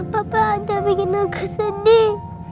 papa anjay bikin aku sedih